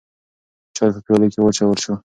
چای په پیالو کې واچول شو.